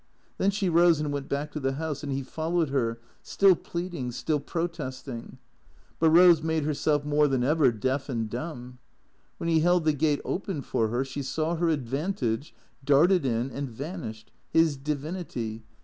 Then she rose and went back to the house, and he followed her, still pleading, still protesting. But Eose made herself more than ever deaf and dumb. When he held the gate open for her she saw her advantage, darted in, and vanished (his divinity!)